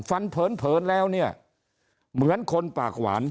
เผินแล้วเนี่ยเหมือนคนปากหวาน